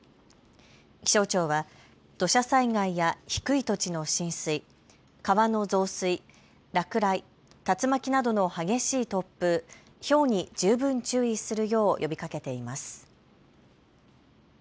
気象庁は土砂災害や低い土地の浸水、川の増水、落雷、竜巻などの激しい突風、ひょうに十分注意するよう呼びかけています。